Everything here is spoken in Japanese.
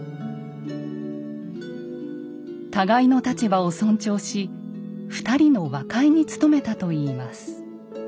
互いの立場を尊重し２人の和解に努めたといいます。